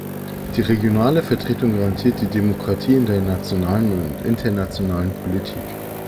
Die regionale Vertretung garantiert die Demokratie in der nationalen und internationalen Politik.